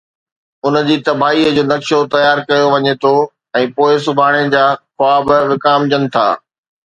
ان جي تباهيءَ جو نقشو تيار ڪيو وڃي ٿو ۽ پوءِ سڀاڻي جا خواب وڪامجن ٿا.